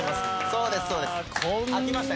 そうですそうです。